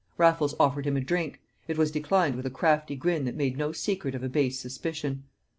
Raffles offered him a drink; it was declined with a crafty grin that made no secret of a base suspicion.